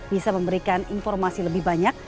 bisa memberikan informasi lebih banyak